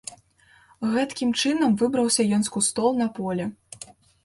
Гэткім чынам выбраўся ён з кустоў на поле.